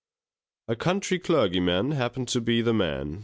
A country clergyman happened to be the man.